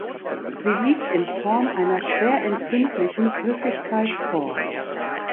Sie liegt in Form einer schwer entzündlichen Flüssigkeit vor.